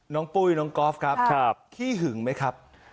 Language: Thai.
ปุ้ยน้องกอล์ฟครับขี้หึงไหมครับ